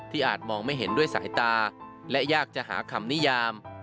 อาจมองไม่เห็นด้วยสายตาและยากจะหาคำนิยาม